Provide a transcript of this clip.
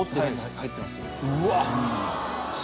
入ってます。